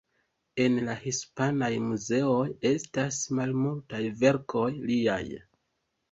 En la hispanaj muzeoj estas malmultaj verkoj liaj.